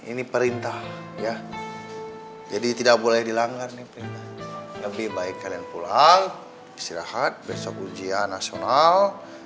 ini perintah ya jadi tidak boleh dilanggar lebih baik kalian pulang istirahat besok ujian nasional